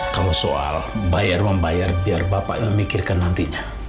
kalau soal bayar membayar biar bapak yang memikirkan nantinya